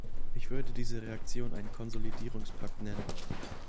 Ich würde diese Reaktion einen Konsolidierungspakt nennen.